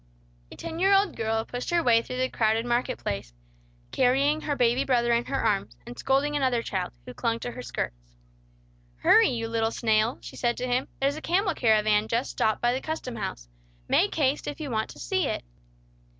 A ten year old girl pushed her way through the crowded market place, carrying her baby brother in her arms, and scolding another child, who clung to her skirts. "Hurry, you little snail!" she said to him. "There's a camel caravan just stopped by the custom house. Make haste, if you want to see it!"